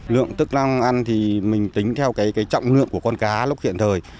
lượng thức ăn thì mình tính theo cái trọng lượng của con cá lúc hiện thời